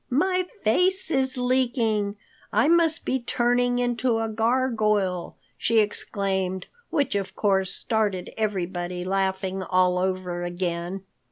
"My face is leaking! I must be turning into a gargoyle," she exclaimed, which of course started everybody laughing all over again.